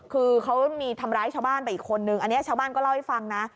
คือเขามีทำร้ายชาวบ้านไปอีกคนนึงอันนี้ชาวบ้านก็เล่าให้ฟังนะ